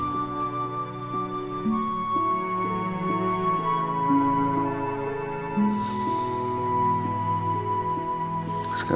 aku mesti menunggu kiriman